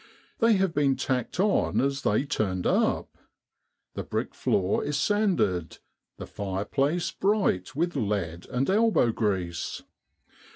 They have been tacked on as they turned up. The brick floor is sanded, the fire place bright with lead and elbow grease.